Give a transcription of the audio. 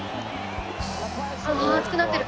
あ熱くなってる。